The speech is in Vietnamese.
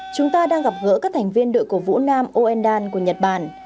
chúng ta đang gặp gỡ các thành viên đội cổ vũ nam oendan của nhật bản